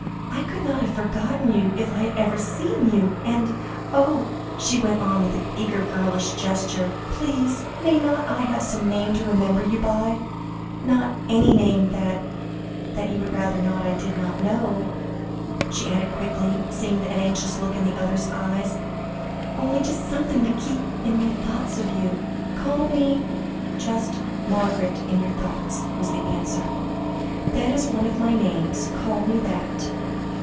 "I could not have forgotten you if I had ever seen you and oh!" she went on with an eager girlish gesture, "please mayn't I have some name to remember you by not any name that that you would rather I did not know," she added quickly, seeing an anxious look in the other's eyes; "only just something to keep in my thoughts of you." "Call me just Margaret in your thoughts," was the answer; "that is one of my names; call me that."